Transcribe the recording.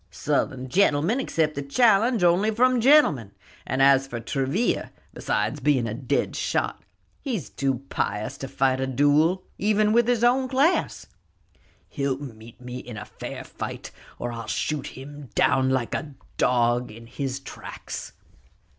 "Southern gentlemen accept a challenge only from gentlemen; and as for Travilla, besides being a dead shot, he's too pious to fight a duel, even with his own class." "He'll meet me in fair fight, or I'll shoot him down, like a dog, in his tracks."